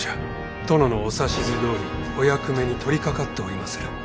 殿のお指図どおりお役目に取りかかっておりまする。